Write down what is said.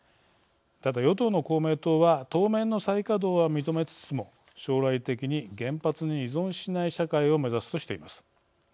ただ、与党の公明党は当面の再稼働は認めつつも将来的に原発に依存しない社会を目指すとしています。